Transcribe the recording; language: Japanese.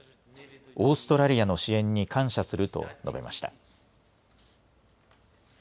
オーストラリアの支援に感謝すると述べました。